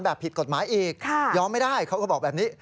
ผิดกฎหมายอีกยอมไม่ได้เขาก็บอกแบบนี้